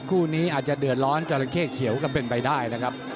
คู่นี้อาจจะเดือดร้อนจราเข้เขียวก็เป็นไปได้นะครับ